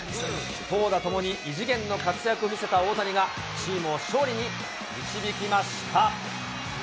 投打ともに異次元の活躍を見せた大谷が、チームを勝利に導きました。